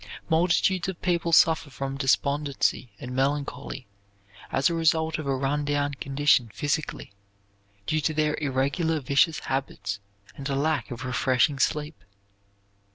Multitudes of people suffer from despondency and melancholy, as a result of a run down condition physically, due to their irregular, vicious habits and a lack of refreshing sleep.